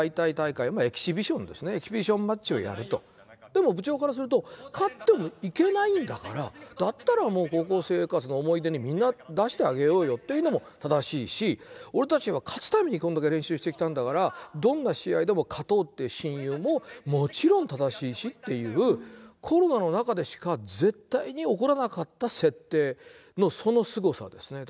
でも部長からすると勝っても行けないんだからだったらもう高校生活の思い出にみんな出してあげようよっていうのも正しいし俺たちは勝つためにこれだけ練習してきたんだからどんな試合でも勝とうって親友ももちろん正しいしっていうコロナの中でしか絶対に起こらなかった設定そのすごさですね。